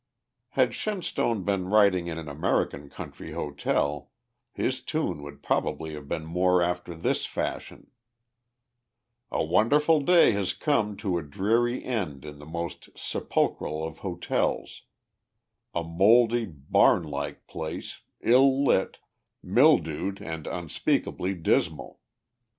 Had Shenstone been writing in an American country hotel, his tune would probably have been more after this fashion: "A wonderful day has come to a dreary end in the most sepulchral of hotels, a mouldy, barn like place, ill lit, mildewed and unspeakably dismal.